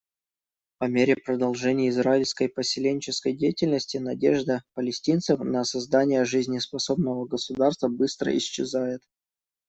По мере продолжения израильской поселенческой деятельности надежда палестинцев на создание жизнеспособного государства быстро исчезает.